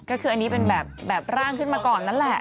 ก็คืออันนี้เป็นแบบร่างขึ้นมาก่อนนั่นแหละ